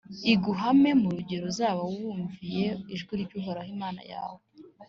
iguhame, mu rugero uzaba wumviye ijwi ry’uhoraho imana yawe.